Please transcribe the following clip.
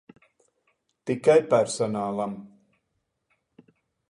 Tikai personālam.